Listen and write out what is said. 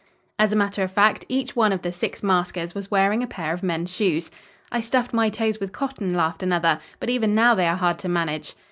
As a matter of fact, each one of the six maskers was wearing a pair of men's shoes. "I stuffed my toes with cotton," laughed another, "but even now they are hard to manage."